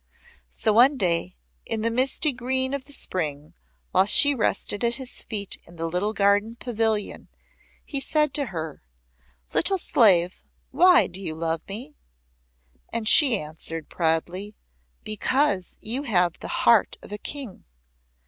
So one day, in the misty green of the Spring, while she rested at his feet in the garden Pavilion, he said to her: "Little slave, why do you love me?" And she answered proudly: "Because you have the heart of a King."